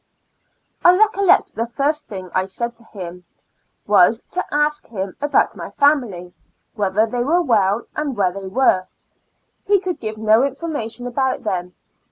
I recollect the first thing I said to him was to ask him about my family, whether they were well, and where they were ? He could give no information about them.